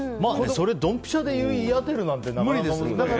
それどんぴしゃで言い当てるなんてなかなか。